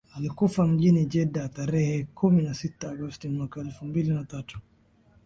Alikufa mjini Jeddah tarehe kumi na sita Agosti mwaka elfu mbili na tatu